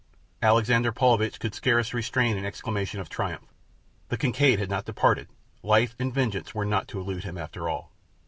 Alexander Paulvitch could scarce restrain an exclamation of triumph. The Kincaid had not departed! Life and vengeance were not to elude him after all.